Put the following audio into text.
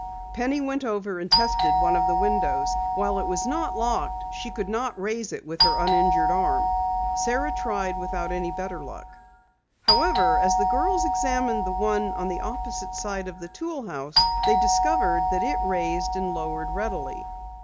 Penny went over and tested one of the windows. While it was not locked, she could not raise it with her injured arm. Sara tried without any better luck. However, as the girls examined the one on the opposite side of the tool house, they discovered that it raised and lowered readily.